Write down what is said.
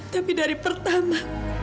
tapi dari pertama